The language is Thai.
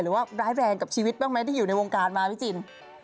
ร้ายแรงกับชีวิตบ้างไหมที่อยู่ในวงการมาพี่จิน